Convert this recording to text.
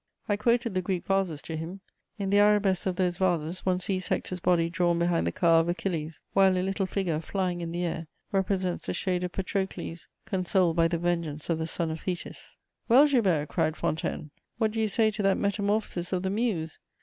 I quoted the Greek vases to him: in the arabesques of those vases one sees Hector's body drawn behind the car of Achilles, while a little figure, flying in the air, represents the shade of Patrocles, consoled by the vengeance of the son of Thetis. "Well, Joubert," cried Fontanes, "what do you say to that metamorphosis of the muse?